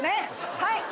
はい。